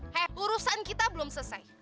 head urusan kita belum selesai